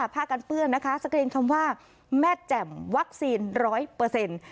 ผ้ากันเปื้อนนะคะสะเกรงคำว่าแม่จ่ำวัคซีน๑๐๐